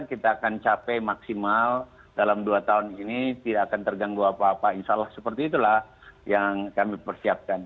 kita akan capai maksimal dalam dua tahun ini tidak akan terganggu apa apa insya allah seperti itulah yang kami persiapkan